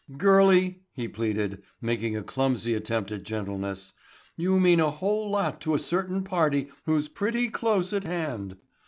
"Girlie," he pleaded, making a clumsy attempt at gentleness, "you mean a whole lot to a certain party who's pretty close at hand.